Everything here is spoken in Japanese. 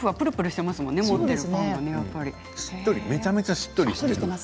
しっとりめちゃくちゃしっとりしている。